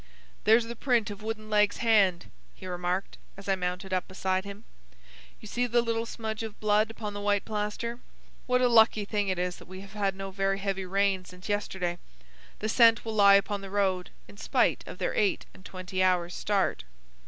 "There's the print of wooden leg's hand," he remarked, as I mounted up beside him. "You see the slight smudge of blood upon the white plaster. What a lucky thing it is that we have had no very heavy rain since yesterday! The scent will lie upon the road in spite of their eight and twenty hours' start."